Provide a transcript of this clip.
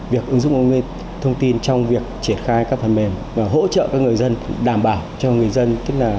giúp công nghệ thông tin trong việc triển khai các phần mềm và hỗ trợ các người dân đảm bảo cho người dân